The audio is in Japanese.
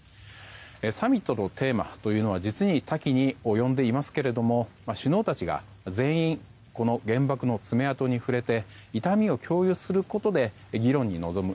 サミットのテーマというのは実に多岐に及んでいますが首脳たちが全員原爆の爪痕に触れて痛みを共有することで議論に臨む。